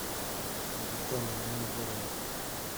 mu gitondo na nimugoroba